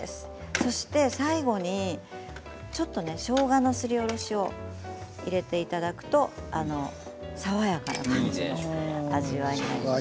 そして最後にちょっとしょうがのすりおろしを入れていただくと爽やかな感じになります。